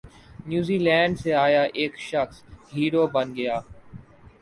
نیوزی Zealand سے آیا ایک شخص ہیرو بن گیا